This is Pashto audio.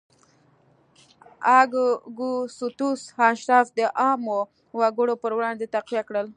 اګوستوس اشراف د عامو وګړو پر وړاندې تقویه کړل.